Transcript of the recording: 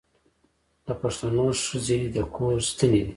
د پښتنو ښځې د کور ستنې دي.